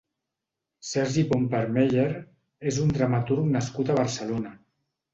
Sergi Pompermayer és un dramaturg nascut a Barcelona.